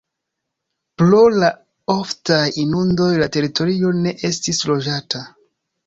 Pro la oftaj inundoj la teritorio ne estis loĝata.